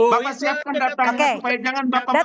bapak siapkan datanya supaya jangan bapak bapak